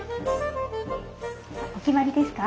お決まりですか？